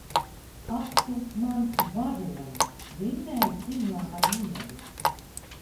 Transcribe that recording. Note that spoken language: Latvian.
Ak tu, mans varoni! Vinnēji cīņā ar miegu!